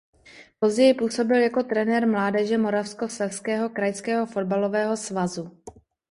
Později působil jako trenér mládeže Moravskoslezského krajského fotbalového svazu.